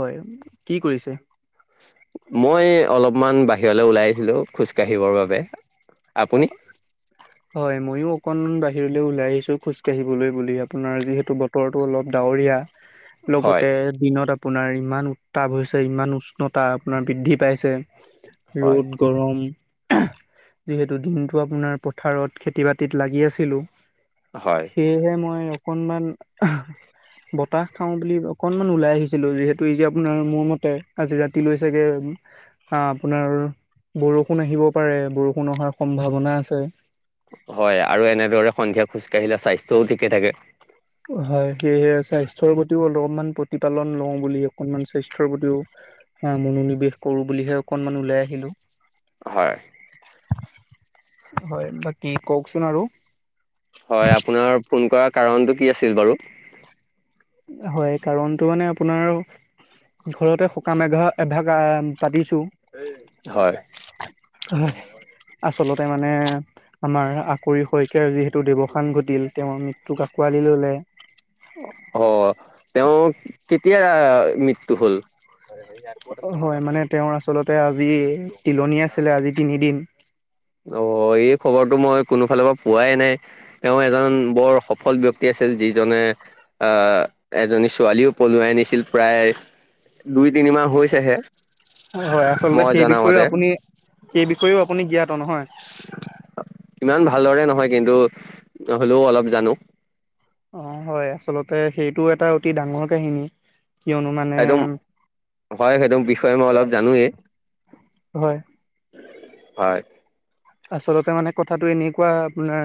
হয় কি কৰিছে? মই অলপমান বাহিৰলৈ ওলাই আহছিলো খোজকাাঢ়িবৰ বাবে। আপুনি? [inaudible] হয় ময়ো অকনমান বাহিৰলৈ ওলাই আহিছো খোজ কাঢ়িবলৈ বুলি আপোনাৰ যিহেতু বতৰটো অলপ ডাৱৰীয়া। হয়, লগতে দিনত আ আপোনাৰ ইমান উত্তাপ হৈছে ইমান উষ্ণতা আপোনাৰ বৃদ্ধি পাইছে। হয়, ৰ'দ গৰম যিহেতু দিনটো আপোনাৰ পথাৰত খেতি বাতিত লাগি আছিলো। হয়, সেয়েহে মই অকনমান বতাহ খাও বুলি অকনমান ওলাই আহিছিলো, যিহেতু এই যে আপোনাৰ মোৰ মতে আজি ৰাতি লৈ চাগে অ আপোনাৰ বৰষুণ আহিব পাৰে বৰষুণ অহাৰ সম্ভাৱনা আছে। হয় আৰু এনেদৰে সন্ধিয়া খোজকাাঢ়িলে স্বাস্থ্যও ঠিকে থাকে। হয় সেয়েহে স্বাস্থ্যৰ প্ৰতিও অলপমান প্ৰতিপালন লওঁ বুলি অকনমান স্বাস্থ্যৰ প্ৰতিও অ মনোনিৱেশ কৰো বুলিহে অকনমান ওলাই আহিলো। হয়। হয় বাকী কওকচোন আৰু। হয় আপোনাৰ ফোন কৰাৰ কাৰণতটো কি আছিল বাৰু? হয় কাৰণতটো মানে আপোনাৰ ঘৰতে সকাম এঘাৰ এভাগ পাতিছো। হয়, [inaudible] হয়। আচলতে মানে আমাৰ আকৰি শইকীয়াৰ যিহেতু দেৱসান ঘটিল তেওঁৰ মৃত্যুক আঁকোৱালি ললে। অ তেওঁ কেতিয়া মৃত্য হল? হয় মানে তেওঁৰ আচলতে আজি তিলনি আছিলে আজি তিনিদিন অ এই খবৰটো মই কোনোফালৰ পৰা পোৱাই নাই তেওঁ এজন বৰ সফল ব্যক্তি আছিল যিজনে আহ এজনী ছোৱালীও পলুৱাই আনিছিল প্ৰায় দুই তিনিমাহ হৈছেহে হয় হয় আচলতে মই সেই বিষয়েও জনামতে আপুনি সেই বিষয়েও আপুনি জ্ঞাত নহয়। হয় নে নহয় কিন্তু হ'লেও অলপ জানো অ হয় আচলতে সেইটো এটা অতি ডাঙৰ কাহিনী। কিয়নো মানে সেইটো হয় সেইটো বিষয়ে মই অলপ জানোৱেই হয় হয় আচলতে মানে কথাটো এনেকুৱা আপোনাৰ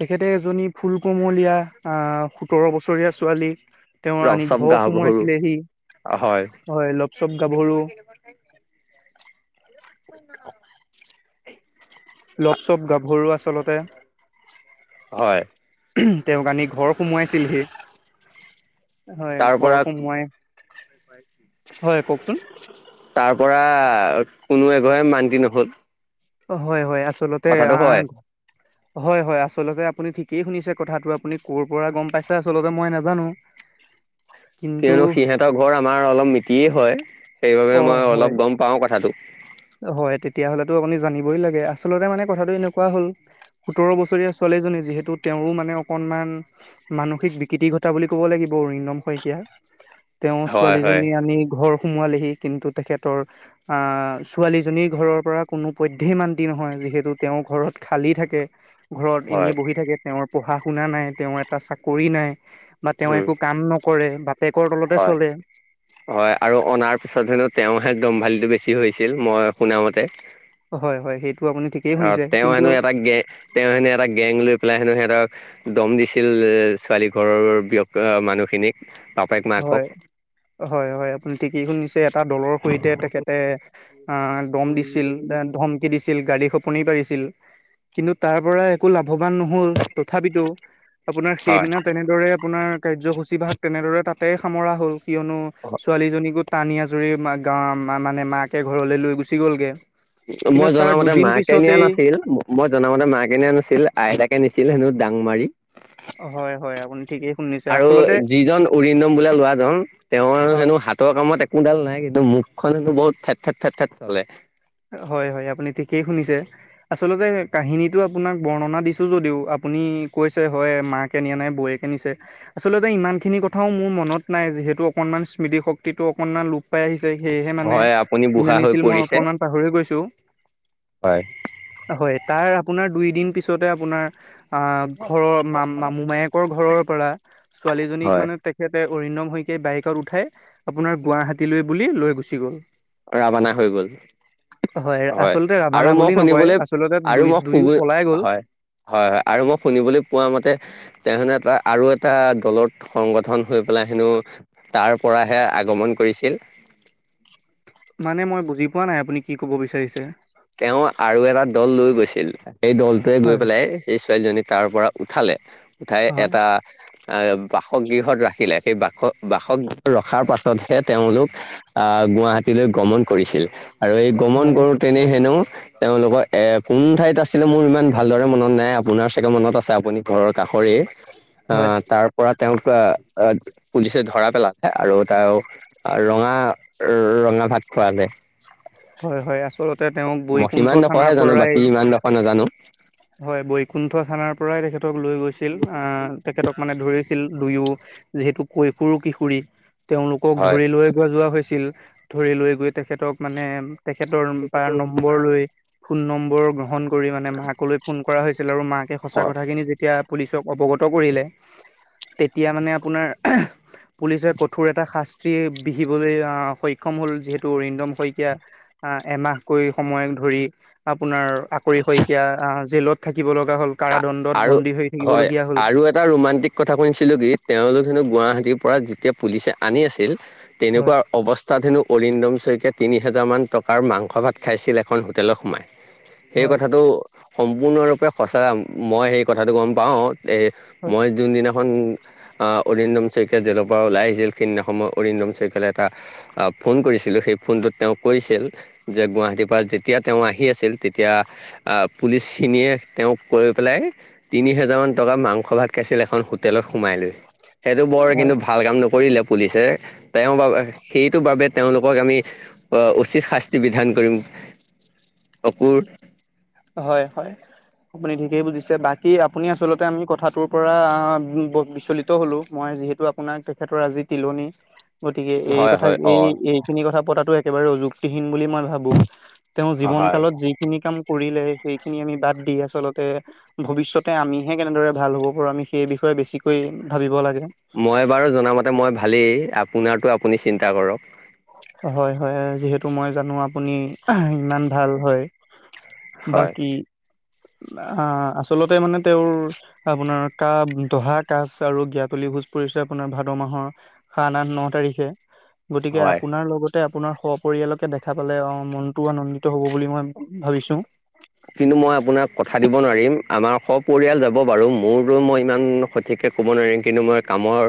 তেখেতে এজনী ফুল কোমলীয়া আহ সোতৰ বছৰীয়া ছোৱালী তেওঁ ৰপ অনি চপ ঘৰ গাভৰু সোমোৱাইছিলে হী হয় চব গাভৰু লপ চপ গাভৰু আচলতে। হয়। তেওঁক আনি ঘৰ সোমোৱাই ছিলহি হয় তাৰ পৰা ঘৰ সোমোৱাই হয় কওকচোন তাৰ পৰা কোনো এঘৰে মান্তি নহল। হয় হয় আচলতে কথাটো আহ। হয়। হয় হয় আচলতে আপুনি ঠিকেই শুনিছে কথাটো আপুনি ক'ৰ পৰা গম পাইছে আচলতে মই নাজানো। [unintelligible] কিয়নো সিহঁতৰ ঘৰ আমাৰ অলপ মিতিয়ে হয় সেইবাবে অ', মই হয় অলপ গম পাওঁ কথাটো। হয় তেতিয়াহ'লেতো আপুনি জানিবই লাগে আচলতে মানে কথাটো এনেকুৱা হ'ল সোতৰ বছৰীয়া ছোৱালী ছোৱালীজনী যিহেতু তেওঁৰো মানে অকণমান মানসিক বিকৃতি ঘটা বুলি ক'ব লাগিব ৰিণম শইকীয়া। তেওঁ হয় হয় ছোৱালীজনী আনি ঘৰ সোমোৱালেহি কিন্তু তেখেতৰ আহ ছোৱালীজনীৰ ঘৰৰ পৰা কোনো পধ্যয় মান্তি নহয় যিহেতু তেওঁৰ ঘৰত খালী থাকে। ঘৰত হয় এনেইে বহি থাকে তেওঁৰ পঢ়া শুনা নাই তেওঁৰ এটা চাকৰি নাই। বা তেওঁ উম একো কাম নকৰে বাপেকৰ তলতে হয় চলে। হয় আৰু অনাৰ পিছত হেনো তেওঁহে দম্ভালিটো বেছি হৈছিল মই শুনামতে। হয় হয় সেইটো। আপুনি ঠিকেই অ শুনিছে তেওঁ কিন্তু হেনো এটা গে তেওঁ হেনো এটা গেং লৈ পেলাই হেনো সিহঁতক দম দিছে। কিন্তু যে ছোৱালী ঘৰৰ ব্যক্ত মানুহখিনিক বাপেক মাকক। হয় হয় হয় আপুনি ঠিকেই শুনিছে। এটা দলৰ সৈতে তেখেতে আহ দম দিছিল ধমকি দিছিল। দিছিল গালি শপনি পাৰিছিল কিন্তু তাৰ পৰা একো লাভ লাভৱান নহল তথাপিতো আপোনাৰ হয়। সেইদিনা তেনেদৰে আপোনাৰ কাৰ্যসূচী ভাগ তেনেদৰে তাত ততে সামৰা হ'ল কিয়নো ছোৱালীজনী গোত টানি আজুৰি গাঁৱৰ মানে মাকে ঘৰলৈ লৈ গুচি গ'লগে কিন্তু মই তাৰ জনা মতে দুদিন মাকে নিয়া পিছতেই নাছিল মই জনা মতে মাকে নিয়া নাছিল আইতাক তাকে নিছিল হেনো দাং মাৰি হয় হয় আপুনি ঠিকেই শুনিছে আৰু আচলতে যিজন উৰিন্দম বোলা লৰাজন তেওঁৰ হয় হেনো হাতৰ কামত একোডাল নাই কিন্তু মুখ খন বহুত ফেট ফেট ফেট ফেট চলে হয় হয় আপুনি ঠিকেই শুনিছে আচলতে কাহিনীটো আপোনাক বৰ্ণনা দিছোঁ যদিও আপুনি- কৈছে হয় মাকে নিয়া নাই বৌৱেকে নিছে আচল ইমানখিনি কথাও মোৰ মনত নাই যিহেতু অকনমান স্মৃতিশক্তিটো অকনমান লোপ পাই আহিছে সেয়েহে মানে হয় আপুনি কোনে বুঢ়া হৈ নিছিল মই পৰিছে অকণমান কৈছোঁ। হয় হয় তাৰ আপোনাৰ দুই দিন পাছতে আপোনাৰ আহ ঘৰৰ মা মা মোমায়েকৰ ঘৰৰ পৰা ছোৱালীজনীক হয় মানে তেখেতে অৰিন্দম সৈতে বাইকত উঠাই আপোনাৰ গুৱাহীলৈ বুলি লৈ গুচি গল। ৰাবানা হৈ গ'ল। হয় আচলতে ৰাভানা আৰু মই বুলি নকয় শুনিবলৈ আচলতে আৰু দুই মই দুয়ো সুবি পলাই গ'ল হয় হয় হয় আৰু মই শুনিবলৈ পোৱা মতে তেনেহলে এটা আৰু এটা এটা দলত সংগঠন হৈ পেলাই হেনো তাৰ পৰাহে আগমন কৰিছিল। মানে মই বুজি পোৱা নাই আপুনি কি কব বিচাৰিছে। তেওঁ আৰু এটা দল লৈ গৈছিল, সেই দলটোৱে গৈ হয়, পেলাই সেই ছোৱালীজনীক তাৰ পৰা উঠালে উঠাই হয়, এটা আহ বাসগৃহত ৰাখিলে সেই বাস বাসগৃহত ৰখাৰ পাছতহে তেওঁলোক আহ গুৱাহাটীলৈ গমন কৰিছিল আৰু এই গমন কৰো তেনেহে এনে তেওঁলোকৰ এ কোন ঠাইত আছিলে মোৰ ইমান ভালদৰে মনত নাই আপোনাৰ চাগে মনত আছে আপুনি ক ঘৰৰ কাষৰে, হয়, আহ তাৰ পৰা তেওঁক পুলিচে ধৰা পেলালে আৰু তাৰ ৰঙা ৰঙা ভাত খোৱালে। হয় হয় আচলতে তেওঁক মই বৈকুণ্ঠ সিমান ডখৰহে থানাৰ জানো বাকী পৰাই ইমান ডখৰ নাজানো হয় বৈকুণ্ঠ থানাৰ পৰাই তেখেতক লৈ গৈছিল তেখেতক মানে ধৰিছিল। দুয়ো যিহেতু কৈশোৰ কিশোৰী তেওঁলোকক হয় ধৰি লৈ গোৱা যোৱা হৈছিল। ধৰি লৈ গৈ তেখেতক মানে তেখেতৰ বা নম্বৰ লৈ ফোন নম্বৰ গ্ৰহণ কৰি মানে মাকলৈ ফোন কৰা হৈছিল আৰু মাকে সঁচা হয় কথাখিনি যেতিয়া পুলিচক। অৱগত কৰিলে তেতিয়া মানে আপোনাৰ পুলিচে কঠোৰ এটা শাস্ত। বিহিবলৈ আহ সক্ষম হ'ল যিহেতু অৰিন্দম শইকীয়া আহ। এমাহকৈ সময় ধৰি আপোনাৰ আকৰি শইকীয়া জেলত থাকি। আৰু হয় থাকিবলগীয়া হ'ল। আৰু এটা ৰোমান্টিক কথা শুনিছিলো কি তেওঁলোক হেনো। গুৱাহাটীৰ পৰা যেতিয়া পুলিচে আনি আছিল, হয় তেনেকুৱা অৱস্থাত হেনো অৰিন্দম শকীয়া তিনি হোজাৰ মান টকাৰ মাংস ভাত খাইছিল এখন হোটেলত সোমাই সেই হয় কথাটো। সম্পূৰ্ণৰূপে সঁচা মই সেই কথাটো গম পাওঁ এই হয় মই যোনদিনাখন। অৰিন্দম শইকীয়ীয়া জেলৰ পৰা ওলাই আহিছিল সেইদিনা সময়ত অৰিন্দম শইকীয়ালে এটা ফোন কৰিছিল। ছিলোঁ সেই ফোনটোত তেওঁ কৈছিল যে গুৱাহাটীৰ পৰা যেতিয়া তেওঁ আহি আছিল তেতিয়া আ পুলিচখিনিয়ে। তেওঁক কৈ পেলাই তিনি হেজাৰমানান টকা মাংস ভাত খাইছিল এখন হোটেলত সোমাই লৈ। সেইটো বৰ হয় কিন্তু ভাল কাম নকৰিলে পুলিচে তেওঁৰ বাবে সেইটো বাবে। তেওঁলোকক আমি উচিত শাস্তি বিধান কৰিম, অকুৰ। হয় হয়। আপুনি ঠিকেই বুজিছে বাকি আপুনি আচলতে আমি কথাটোৰ পৰা বিচলিত হলো মই। যিহেতু আপোনাৰ তেখেতৰ আজি তিলনি। গতিকে এই হয় কথা হয় অ এই এইখিনি কথা পতাটো একেবাৰে অযুক্তিহীন বুলি মই ভাবো। তেওঁ জীৱন হয়। কালত যিখিনি কাম। কৰিলে সেইখিনি আমি বাদ দি আচলতে ভৱিষ্যতে আমিহে কেনেদৰে ভাল হ'ব পাৰোঁ আমি সেই বিষয়ে। বেছিকৈ ভাবিব লাগে। মই বাৰু জনামতে মই ভালেই আপোনাৰো আপুনি চিন্তা কৰক। হয় হয় যিহেতু মই জানো আপুনি ইমান ভাল হয় হয়। বাকী। অ আচলতে মানে তেওঁৰ আপোনাৰ দহা কাচ আৰু গিয়াতলী। ভোজ পৰিছে আপোনাৰ ভাদ মাহৰ সা আঠ ন তাৰিখে। গতিকে হয়। আপোনাৰ লগতে আপোনাৰ সপৰিয়ালকে দেখা পালে অ মনটো আনন্দিত হ'ব বুলি মই ভাবিছো। কিন্তু মই আপোনাক কথা দিব নোৱাৰিম। আমাৰ সপৰিয়াল যাব বাৰু মোৰো মই ইমান সঠিককে ক'ব নোৱাৰিম কিন্তু মই কামৰ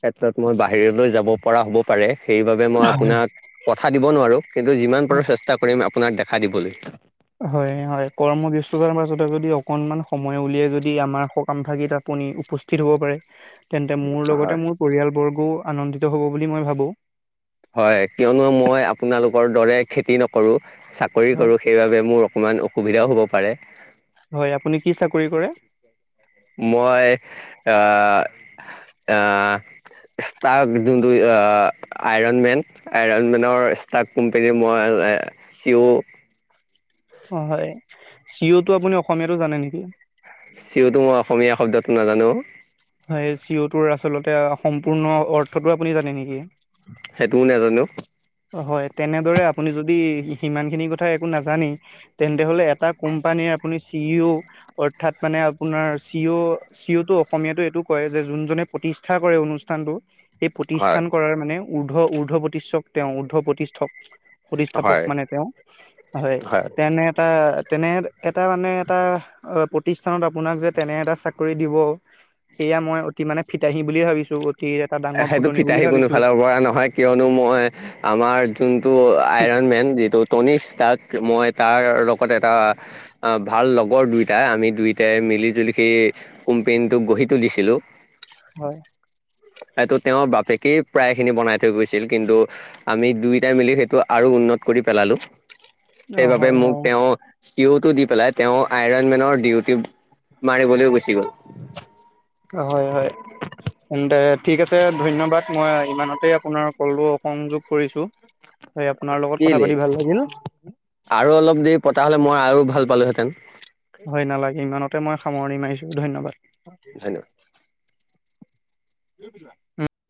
ক্ষেত্ৰত মই বাহিৰলৈ যাব পৰা হ'ব পাৰে। সেইবাবে মই আপোনাক কথা দিব নোৱাৰো কিন্তু যিমান পাৰো চেষ্টা কৰিম আপোনাক দেখা দিবলৈ। হয় হয় কৰ্ম। ব্যস্ততাৰ মাজতে যদি অকণমান সময় উলিয়াই যদি আমাৰ সকাম ভাগত আপুনি উপস্থিত হ'ব পাৰে। তেন্তে মোৰ লগতে হয়। মোৰ পৰিয়ালবৰ্গও আনন্দিত হ'ব বুলি মই ভাবো। হয় কিয়নো মই আপোনালোকৰ দৰে খেতি নকৰোঁ। চাকৰি হয় কৰো সেইবাবে মোৰ অকমান অসুবিধাও হ'ব পাৰে। হয় আপুনি কি চাকৰি কৰে? মই। ষ্টক যোনটো অ'। আইৰণমেন আইৰণমেনৰ ষ্টাৰ্ক কোম্পেনী মই চি'। অ' হয় চি অ'টো আপুনি অসমীয়াতো জানে নেকি। চি অটো মই অসমীয়া শব্দটো নাজানো। হয় চি অটোৰ আচলতে সম্পূৰ্ণ অৰ্থটো আপুনি জানে নেকি? সেইটোও নাজানো। হয়নে তেনেদৰে আপুনি সিমান খিনি কথা নাজানে তেন্তেহ'লে এটা কোম্পানীৰ। আপুনি চি অও অৰ্থাৎ মানে আপোনাৰ চি অও চি অ তটো অসমীয়াতটো। এইটো কয় যে যোনজনে প্ৰতিষ্ঠা কৰে অনুষ্ঠানটো সেই হয় প্ৰতিষ্ঠান কৰাৰ মানে। উৰ্ধ উৰ্ধ্ব প্ৰতিষ্ঠক তেওঁ উৰ্ধ প্ৰতিষ্ঠক। প্ৰতিষ্ঠাপক হয় মানে তেওঁ হয় তেনে এটা। তেনে এটা মানে এটা প্ৰতিষ্ঠানত আপোনাক যে তেনে এটা চাকৰি দিব। সেয়া মই অতি মানে ফিতাহী বুলিয়ে ভাবিছো। এটা ডাঙৰ সেইটো ফুটনি বুলি ফিতাহী কোনো ভাবিছো ফালৰ পৰা নহয়। কিয়নো মই আমাৰ যোনতটো আইৰন মেন যিটো টনিশ তাক মই তাৰ লগত এটা ভাল লগৰ দুইটাই আমি দুইটাই মিলি জুলি সেই গঢ় ত দিছিলো হয় এইটো তেওঁৰ বাপেকেই প্ৰায় খিনি বনাই থৈ গৈছিল কিন্তু আমি দুইটাই মিলি সেইটো আৰু উন্নত কৰি পেলালো। অ সেইবাবে হয় মোক হয় তেওঁ চি অটো দি পেলাই তেওঁ আইৰণ মেনৰ ডিউটি মাৰিবলৈও গুচি গ 'ল। হয় হয় তেন্তে ঠিক আছে। ধন্যবাদ। মই ইমানতে আপোনাৰ কলটোসযোগ কৰিছো। কি আৰু অলপ দেৰি পতা হ'লে মই আৰু ভাল পালোহেতেঁ‌ন। হয় নালাগে। ইমানতে মই সামৰণি মাৰিছো ধন্যবাদ। ধন্যবাদ। [unintelligible]